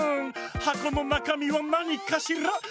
「はこのなかみはなにかしら？」